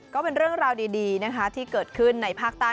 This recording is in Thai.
ก็เป็นเรื่องราวดีนะคะที่เกิดขึ้นในภาคใต้